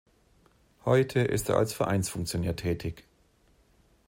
Heute ist er als Vereinsfunktionär tätig.